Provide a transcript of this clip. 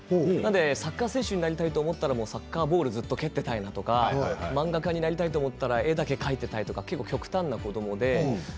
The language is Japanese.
サッカー選手になりたいと思ったらサッカーボールをずっと蹴っていたり漫画家なりたいと思ったら絵だけを描いていたり極端な子どもで。